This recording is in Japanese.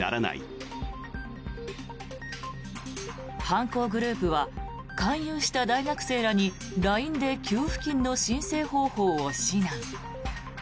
犯行グループは勧誘した大学生らにＬＩＮＥで給付金の申請方法を指南。